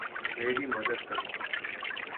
میری مدد کرو